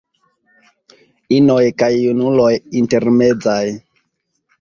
Inoj kaj junuloj intermezaj.